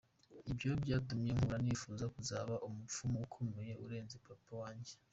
Ibyo byatumye nkura nifuza kuzaba umupfumu ukomeye urenze papa wanjye.